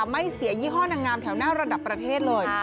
ไม่เสียยี่ห้อนางงามแถวหน้าระดับประเทศเลย